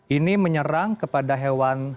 ini menyerang kepada hewan